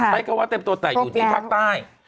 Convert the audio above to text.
ไม่ก็ว่าเต็มตัวแต่อยู่ในภาคใต้